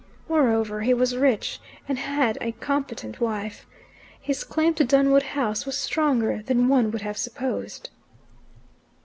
Moreover, he was rich, and had a competent wife. His claim to Dunwood House was stronger than one would have supposed.